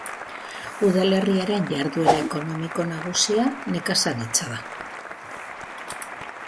Udalerriaren jarduera ekonomiko nagusia nekazaritza da.